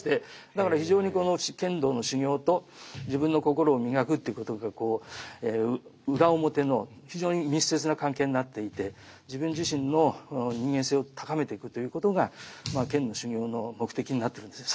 だから非常にこの剣道の修行と自分の心を磨くっていうことが裏表の非常に密接な関係になっていて自分自身の人間性を高めていくということがまあ剣の修行の目的になってるんですね